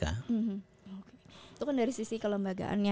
itu kan dari sisi kelembagaannya